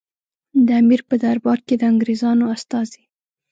د امیر په دربار کې د انګریزانو استازي.